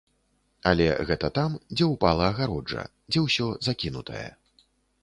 Але гэта там, дзе упала агароджа, дзе ўсё закінутае.